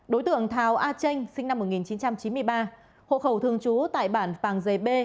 đối tượng thào a tranh sinh năm một nghìn chín trăm chín mươi ba hộ khẩu thường trú tại bản phàng giề b